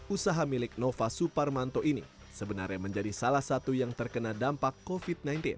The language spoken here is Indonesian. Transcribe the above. usaha milik nova suparmanto ini sebenarnya menjadi salah satu yang terkena dampak covid sembilan belas